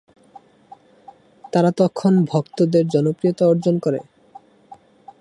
তারা তখন ভক্তদের জনপ্রিয়তা অর্জন করে।